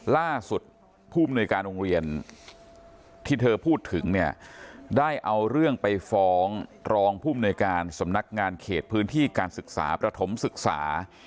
ล่าสุดผู้มนุยการโรงเรียนที่เธอพูดถึงเนี่ยได้เอาเรื่องไปฟ้องรองภูมิหน่วยการสำนักงานเขตพื้นที่การศึกษาประถมศึกษา